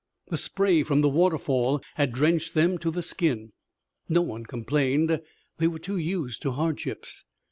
The spray from the waterfall had drenched them to the skin. No one complained. They were too used to hardships.